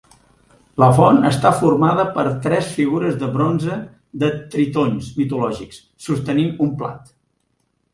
La font està formada per tres figures de bronze de tritons mitològics sostenint un plat.